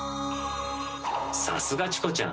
さすがチコちゃん！